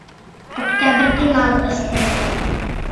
— Октябрь тӱҥалтыште.